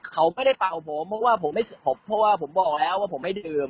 เขาไม่ได้เปล่าผมเพราะว่าผมบอกแล้วว่าผมไม่ดื่ม